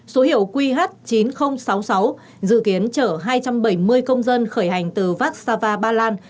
số hiệu qh chín nghìn sáu mươi sáu dự kiến chở hai trăm bảy mươi công dân khởi hành từ vassava ba lan